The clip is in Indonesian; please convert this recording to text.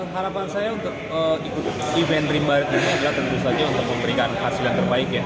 harapan saya untuk ikut event rimba ray di malaysia tentu saja untuk memberikan hasil yang terbaik